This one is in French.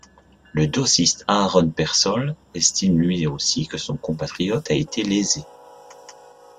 Le dossiste Aaron Peirsol estime lui aussi que son compatriote a été lésé.